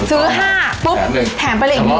ซึ้อ๕แถม๑